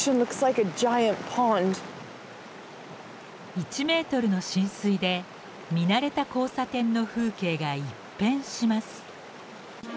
１ｍの浸水で見慣れた交差点の風景が一変します。